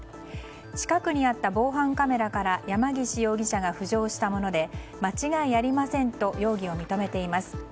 近くにあった防犯カメラから山岸容疑者が浮上したもので間違いありませんと容疑を認めています。